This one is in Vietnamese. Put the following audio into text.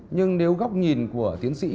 nhưng nếu góc nhìn của tiến sĩ